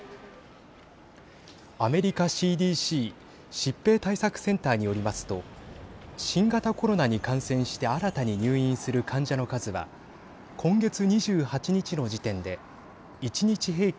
アメリカＣＤＣ＝疾病対策センターによりますと新型コロナに感染して新たに入院する患者の数は今月２８日の時点で１日平均